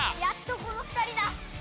やっとこの２人だ。